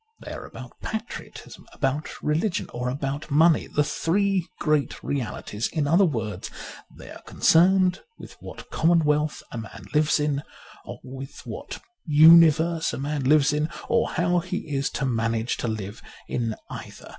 They are about patriotism, about religion, or about money : the three great realities. In other words, they are concerned with what commonwealth a man lives in, or with what universe a man lives in, or how he is to manage to live in either.